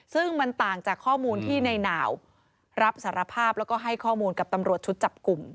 ซึ่งมันต่างจากข้อมูลที่ในหนาวรับสารภาพแล้วก็ให้ข้อมูลกับตำรวจชุดจับกลุ่ม